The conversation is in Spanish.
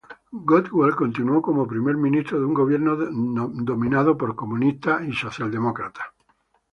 Gottwald continuó como primer ministro de un gobierno dominado por comunistas y socialdemócratas pro-Moscú.